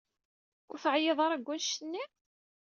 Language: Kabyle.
Ur teɛyiḍ ara deg annect-nni?